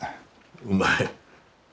うまい。